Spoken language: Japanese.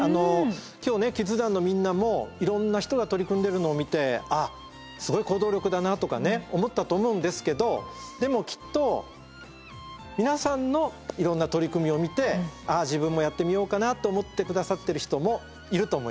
今日ねキッズ団のみんなもいろんな人が取り組んでるのを見てあっすごい行動力だなとかね思ったと思うんですけどでもきっと皆さんのいろんな取り組みを見てああ自分もやってみようかなと思って下さってる人もいると思います。